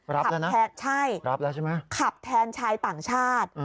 รับแล้วนะรับแล้วใช่ไหมใช่ขับแทนชายต่างชาติ